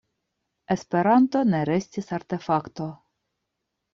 Esperanto ne restis artefakto.